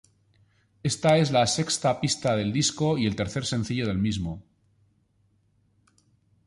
Esta es la sexta pista del disco y el tercer sencillo del mismo.